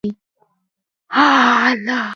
سهار د مینې شاهد دی.